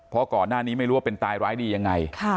เพราะก่อนหน้านี้ไม่รู้ว่าเป็นตายร้ายดียังไง